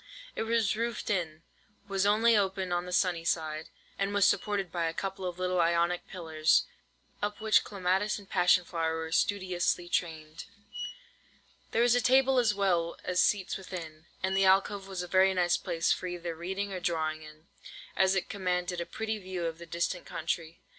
It was roofed in, was open only on the sunny side, and was supported by a couple of little Ionic pillars, up which clematis and passion flower were studiously trained. There was a table as well as seats within; and the alcove was a very nice place for either reading or drawing in, as it commanded a pretty view of the distant country.